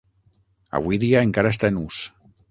Avui dia encara està en ús.